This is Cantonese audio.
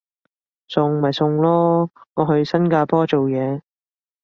送咪送咯，我去新加坡做嘢